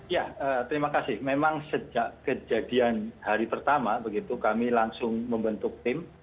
ya terima kasih memang sejak kejadian hari pertama begitu kami langsung membentuk tim